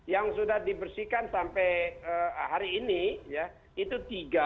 yang sudah dibersihkan sampai hari ini ya itu tiga